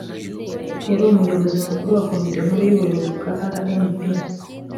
yari umuyobozi mukuru wa komite nkuru y ubuyobozi bwa rnp